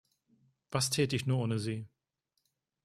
Was täte ich nur ohne Sie?